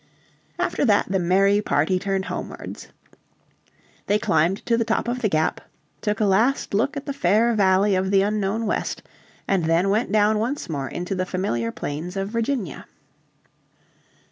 After that the merry party turned homewards. They climbed to the top of the gap, took a last look at the fair valley of the unknown West, and then went down once more into the familiar plains of Virginia.